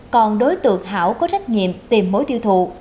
còn đối tượng hảo có trách nhiệm tìm mối tiêu thụ